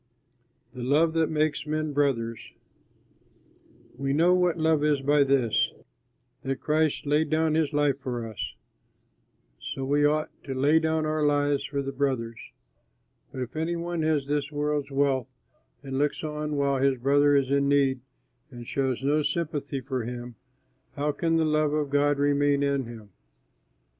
THE LOVE THAT MAKES MEN BROTHERS We know what love is by this, that Christ laid down his life for us; so we ought to lay down our lives for the brothers. But if any one has this world's wealth and looks on while his brother is in need and shows no sympathy for him, how can the love of God remain in him?